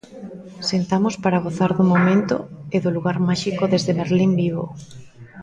Sentamos para gozar do momento e do lugar máxico deste Merlín vivo.